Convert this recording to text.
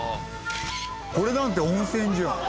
「これなんて温泉じゃん」